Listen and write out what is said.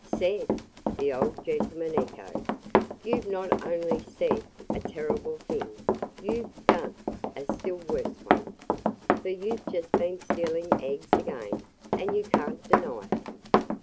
"Said!" the old gentleman echoed. "You've not only said a terrible thing; you've done a still worse one! For you've just been stealing eggs again and you can't deny it."